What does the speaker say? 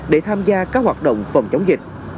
để tham gia các hoạt động phòng chống dịch